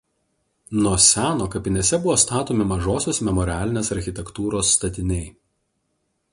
Nuo seno kapinėse buvo statomi mažosios memorialinės architektūros statiniai.